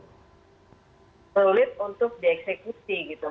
mungkin pak valen bisa menjelaskan ya karena dia juga melakukan praktek hukum